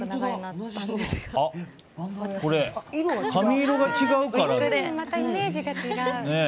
髪色が違うから。